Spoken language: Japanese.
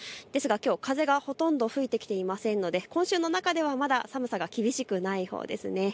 ですが、きょう風がほとんど吹いてきていませんので今週の中ではまだ寒さが厳しくないほうです。